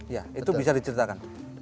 ya itu bisa diceritakan